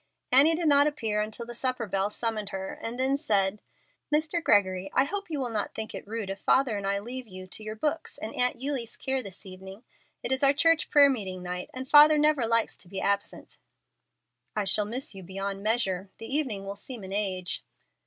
Annie did not appear until the supper bell summoned her, and then said, "Mr. Gregory, I hope you will not think it rude if father and I leave you to your books and Aunt Eulie's care this evening. It is our church prayer meeting night, and father never likes to be absent." "I shall miss you beyond measure. The evening will seem an age."